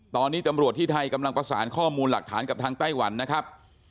ตอนนี้ตำรวจที่ไทยกำลังประสานข้อมูลหลักฐานกับทางไต้หวันนะครับ